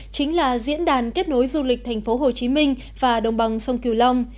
chính là diễn đàn kết nối du lịch tp hcm và đồng bằng sông kiều long